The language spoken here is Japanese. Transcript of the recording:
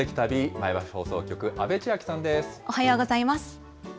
前橋放送局、おはようございます。